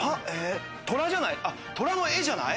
トラじゃない？